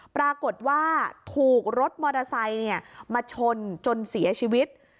ปรากฏว่าถูกรถมอเตอร์ไซค์มาชนจนเสียชีวิต